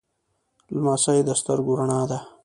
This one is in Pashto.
لمسی د سترګو رڼا ده.